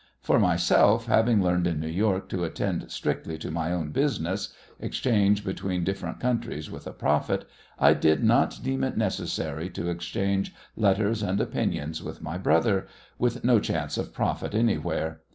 For myself, having learned in New York to attend strictly to my own business exchange between different countries with a profit I did not deem it necessary to exchange letters and opinions with my brother with no chance of profit anywhere.